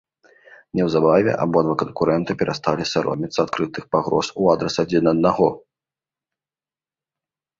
Неўзабаве абодва канкурэнта перасталі саромецца адкрытых пагроз у адрас адзін аднаго.